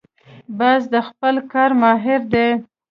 باز د خپل کار ماهر دی